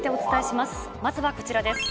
まずはこちらです。